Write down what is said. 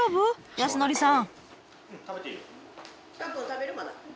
康典さん。